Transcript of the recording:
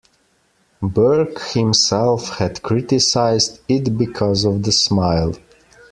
Burke himself had criticized it because of the smile.